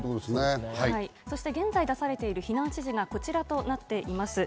現在、出されている避難指示がこちらとなっています。